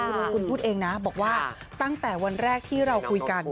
คุณลุงคุณพูดเองนะบอกว่าตั้งแต่วันแรกที่เราคุยกัน